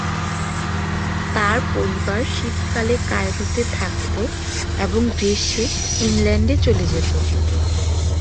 তার পরিবার শীতকালে কায়রোতে থাকত এবং গ্রীষ্মে ইংল্যান্ডে চলে যেত।